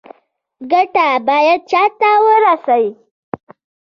ګټه باید چا ته ورسي؟